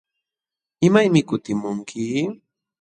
¿Imaymi kutimunki?